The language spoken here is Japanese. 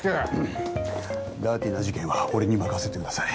んんっダーティーな事件は俺に任せてください。